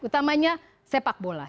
pertama sepak bola